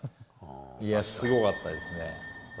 いや、すごかったですね。